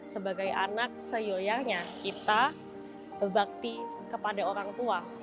sebagai anak seyoyangnya kita berbakti kepada orang tua